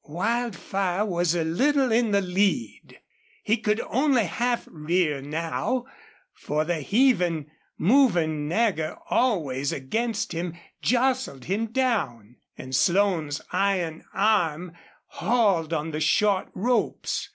Wildfire was a little in the lead. He could only half rear now, for the heaving, moving Nagger, always against him, jostled him down, and Slone's iron arm hauled on the short ropes.